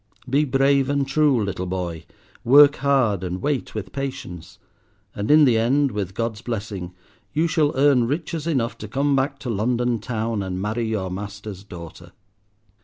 Be brave and true, little boy. Work hard and wait with patience, and in the end, with God's blessing, you shall earn riches enough to come back to London town and marry your master's daughter.